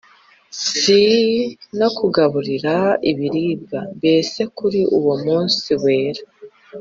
isi no kugaburira ibihingwa? Mbese kuri uwo munsi wera,